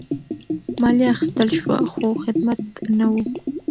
مالیه اخیستل شوه خو خدمت نه وو.